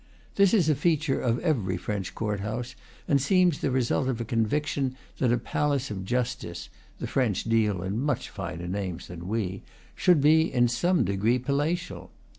This is a feature of every French court house, and seems the result of a conviction that a palace of justice the French deal in much finer names than we should be in some degree palatial.